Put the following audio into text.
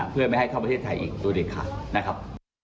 เพื่อไม่ให้เข้าประเทศไทยอีกโดยเด็ดขาดนะครับ